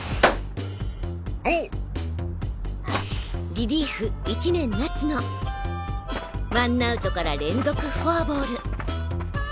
リリーフ１年夏野ワンナウトから連続フォアボール